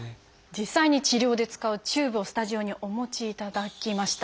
実際に治療で使うチューブをスタジオにお持ちいただきました。